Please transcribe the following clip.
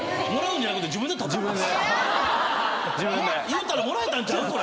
言うたらもらえたんちゃう？